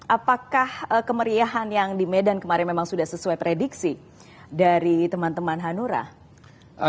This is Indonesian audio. apakah kemeriahan yang di medan kemarin memang sudah sesuai prediksi dari teman teman hanura